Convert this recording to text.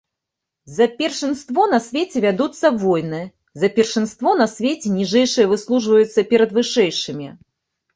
За першынство на свеце вядуцца войны, за першынство на свеце ніжэйшыя выслужваюцца перад вышэйшымі.